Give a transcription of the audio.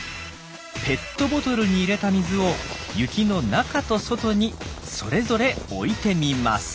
ペットボトルに入れた水を雪の中と外にそれぞれ置いてみます。